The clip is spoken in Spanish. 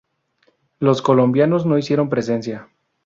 Los colombianos no hicieron presencia.